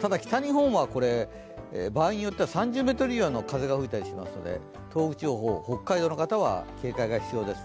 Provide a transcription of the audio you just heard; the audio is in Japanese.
ただ、北日本は場合によっては３０メートル以上の風が吹いたりしますので東北地方、北海道の方は警戒が必要ですね。